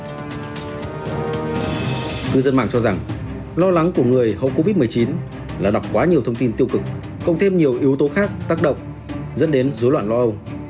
cư dân mạng cho rằng lo lắng của người hậu covid một mươi chín là đọc quá nhiều thông tin tiêu cực cộng thêm nhiều yếu tố khác tác động dẫn đến rối loạn lo âu